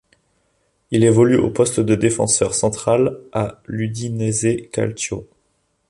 Il évolue au poste de défenseur central à l'Udinese Calcio.